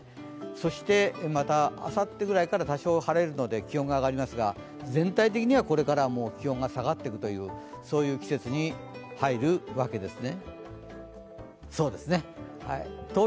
そしてまたあさってぐらいから多少晴れるので気温が上がりますが全体的にはこれからはもう気温が下がっていく季節に入るわけです。